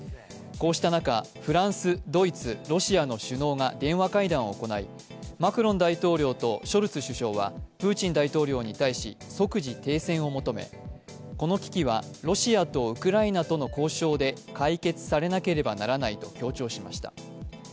こうした中、フランス、ドイツ、ロシアの首脳が電話会談を行い、マクロン大統領とショルツ首相はプーチン大統領に対し即時停戦を求め、この危機はロシアとウクライナの交渉で解決されなければならないと強調しました。